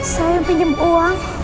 saya yang pinjem uang